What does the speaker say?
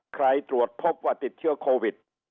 ตรวจพบว่าติดเชื้อโควิด